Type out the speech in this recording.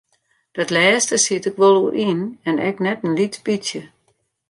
Dat lêste siet ik wol oer yn en ek net in lyts bytsje.